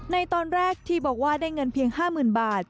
ในตอนแรกที่บอกว่าได้เงินเพียง๕๐๐๐บาท